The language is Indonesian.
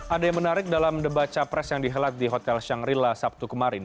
ada yang menarik dalam debaca pres yang dihelat di hotel shangri la sabtu kemarin